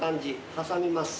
挟みます。